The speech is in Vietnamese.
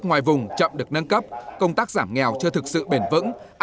ngoài vùng chậm được nâng cấp công tác giảm nghèo chưa thực sự bền vững